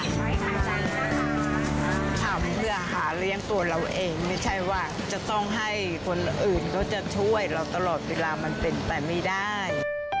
ทำเพื่อหาเลี้ยงตัวเราเองไม่ใช่ว่าจะต้องให้คนอื่นเขาจะช่วยเราตลอดเวลามันเป็นไปไม่ได้